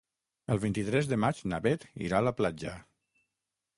El vint-i-tres de maig na Bet irà a la platja.